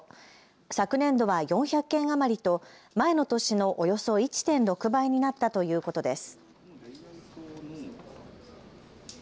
昨年度は４００件余りと前の年のおよそ１．６倍になったということです。